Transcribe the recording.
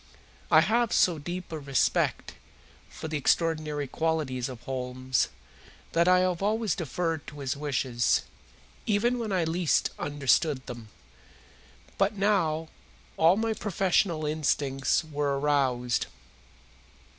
I have so deep a respect for the extraordinary qualities of Holmes that I have always deferred to his wishes, even when I least understood them. But now all my professional instincts were aroused.